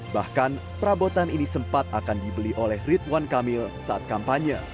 bahkan perabotan ini sempat akan dibeli oleh ridwan kamil saat kampanye